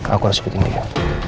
aku harus ikutin dia